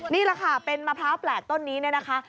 นี่แหละค่ะเป็นมะพร้าวแปลกต้นนี้เนี่ยนะคะ